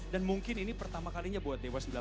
dan mungkin ini pertama kalinya buat dewa sembilan belas